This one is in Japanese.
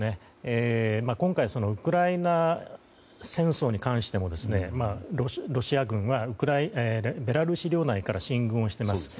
今回、ウクライナ戦争に関してもロシア軍はベラルーシ領内から進軍をしています。